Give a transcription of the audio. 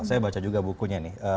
saya baca juga bukunya nih